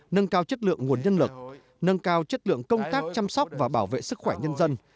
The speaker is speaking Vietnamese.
nâng cao chất lượng nguồn nhân lực nâng cao chất lượng công tác chăm sóc và bảo vệ sức khỏe nhân dân